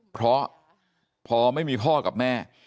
เพราะพอไม่มีพ่อกับแม่